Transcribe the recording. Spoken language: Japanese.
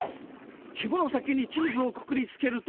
ひもの先にチーズをくくりつけると。